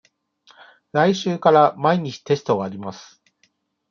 来週から毎日テストがあります。